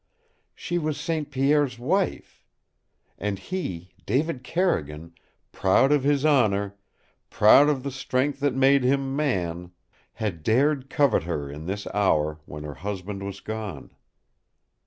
She was St. Pierre's wife! And he, David Carrigan, proud of his honor, proud of the strength that made him man, had dared covet her in this hour when her husband was gone!